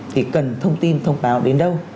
thì cần thông tin thông báo đến đâu